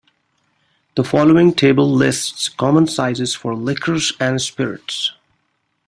The following table lists common sizes for liquors and spirits.